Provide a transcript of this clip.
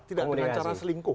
tidak dengan cara selingkuh